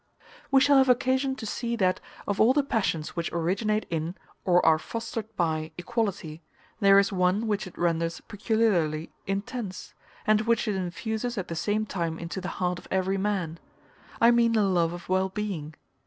We shall have occasion to see that, of all the passions which originate in, or are fostered by, equality, there is one which it renders peculiarly intense, and which it infuses at the same time into the heart of every man: I mean the love of well being.